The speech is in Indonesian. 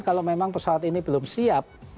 kalau memang pesawat ini belum siap